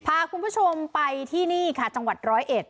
พาคุณผู้ชมไปที่นี่ค่ะจังหวัดร้อยเอ็ด